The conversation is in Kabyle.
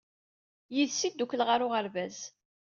Yid-s i ddukkleɣ ɣer uɣerbaz.